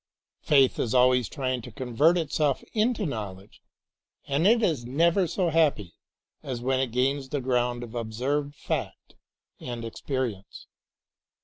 Faith is always trying to convert itself into knowledge and it is never so happy as when it gains the ground of ob served fact and experience.